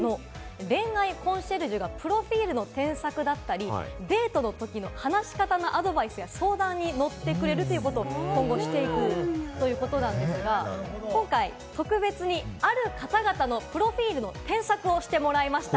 恋愛コンシェルジュがプロフィルの添削だったり、デートの時の話し方のアドバイスや、相談にのってくれるということを今後していくということなんですが、今回特別にある方々のプロフィルの添削をしてもらいました。